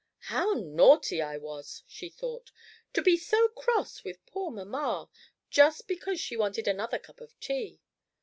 "How naughty I was," she thought, "to be so cross with poor mamma, just because she wanted another cup of tea!